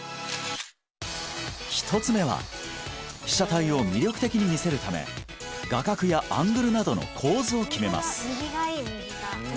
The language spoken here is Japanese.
１つ目は被写体を魅力的に見せるため画角やアングルなどの構図を決めます